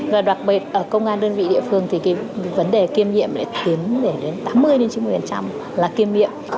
và đặc biệt ở công an đơn vị địa phương thì vấn đề kiêm nhiệm lại tiến đến tám mươi chín mươi là kiêm nhiệm